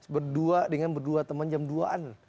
berdua dengan berdua teman jam dua an